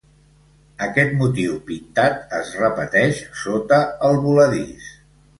Aquest motiu, pintat, es repeteix sota el voladís.